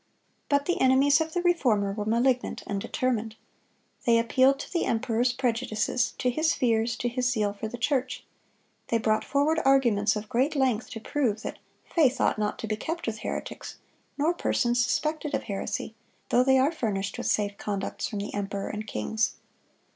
But the enemies of the Reformer were malignant and determined. They appealed to the emperor's prejudices, to his fears, to his zeal for the church. They brought forward arguments of great length to prove that "faith ought not to be kept with heretics, nor persons suspected of heresy, though they are furnished with safe conducts from the emperor and kings."